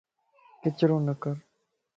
ڪچرو نه ڪر